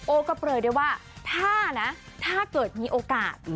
โอ๊คก็เปลยได้ว่าถ้าเกิดมีโอกาส